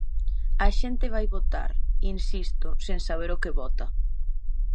A xente vai votar, insisto, sen saber o que vota.